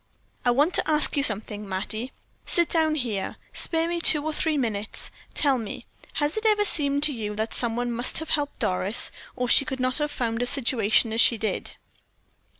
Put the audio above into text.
"I want to ask you something, Mattie. Sit down here; spare me two or three minutes. Tell me, has it ever seemed to you that some one must have helped Doris, or she could not have found a situation as she did?"